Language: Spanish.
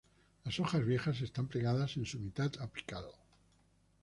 Las hojas viejas están plegadas en su mitad apical.